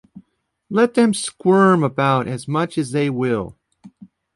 Let them squirm about as much as they will.